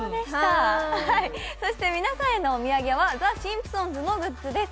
そして皆さんへのお土産は「ザ・シンプソンズ」のグッズです。